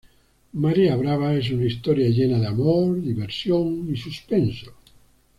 Marea Brava es una historia llena de amor, diversión y suspenso.